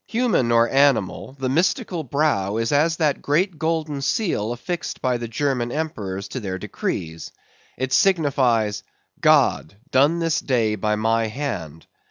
Human or animal, the mystical brow is as that great golden seal affixed by the German emperors to their decrees. It signifies—"God: done this day by my hand."